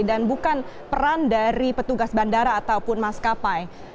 dan bukan peran dari petugas bandara ataupun maskapai